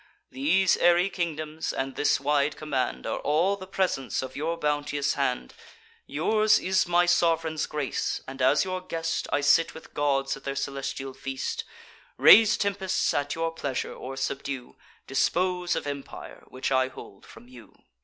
These airy kingdoms, and this wide command, Are all the presents of your bounteous hand: Yours is my sov'reign's grace; and, as your guest, I sit with gods at their celestial feast; Raise tempests at your pleasure, or subdue; Dispose of empire, which I hold from you."